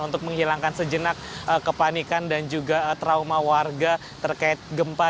untuk menghilangkan sejenak kepanikan dan juga trauma warga terkait gempa